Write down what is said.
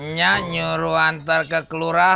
nya nyuruh antar ke keluarga